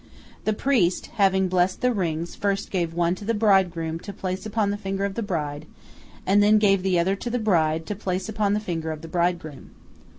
The priest, having blessed the rings, first gave one to the bridegroom to place upon the finger of the bride, and then gave the other to the bride, to place upon the finger of the bridegroom.